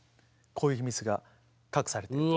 こういう秘密が隠されている。